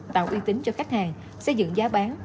tạo uy tín cho khách hàng xây dựng giá bán